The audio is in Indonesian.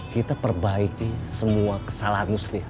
kita perbaiki semua kesalahan muslih